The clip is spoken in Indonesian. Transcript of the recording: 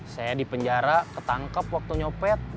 saya di penjara ketangkep waktu nyopet